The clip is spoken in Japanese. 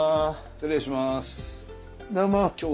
失礼します。